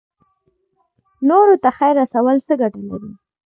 نورو ته خیر رسول څه ګټه لري؟